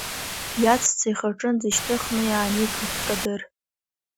Иаҵәца ихаҿынӡа ишьҭыхны иааникылт Кадыр.